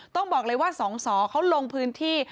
ต้องบอกเลยว่าสอสอเขาลงพื้นที่